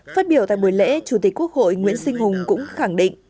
phát biểu tại buổi lễ chủ tịch quốc hội nguyễn sinh hùng cũng khẳng định